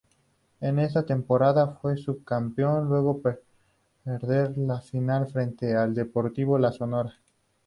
En esa temporada fue subcampeón luego perder la final frente a Deportivo La Sonora.